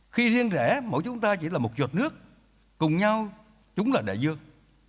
khi riêng rẽ mỗi chúng ta chỉ là một giọt nước cùng nhau chúng là đại dương